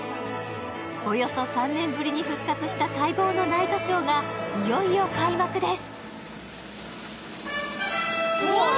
およそ３年ぶりに復活した待望のナイトショーがいよいよ開幕です。